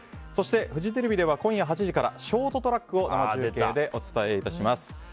そして、フジテレビでは今夜８時からショートトラックを生中継でお伝え致します。